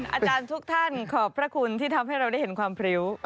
อาจารย์ทุกท่านขอบพระคุณที่ทำให้เราได้เห็นความพริ้ว